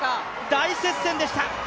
大接戦でした。